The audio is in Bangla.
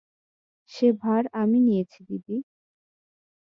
সে ভার আমি নিয়েছি দিদি।